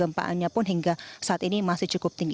gempanya pun hingga saat ini masih cukup tinggi